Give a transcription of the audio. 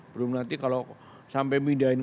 belum nanti kalau sampai mindahin